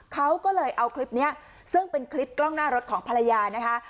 เขาก็เลยเอาคลิปนี้ซึ่งเป็นคลิปกล้องหน้ารถของภรรยานะคะ